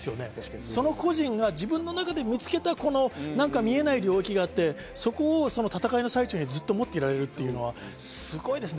その個人が自分の中で見つけた見えない領域があって、そこを戦いの最中にずっと持っていられるというのはすごいですね。